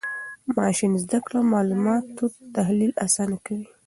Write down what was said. ماشین زده کړه د معلوماتو تحلیل آسانه کوي.